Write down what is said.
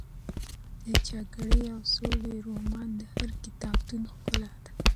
د جګړې او سولې رومان د هر کتابتون ښکلا ده.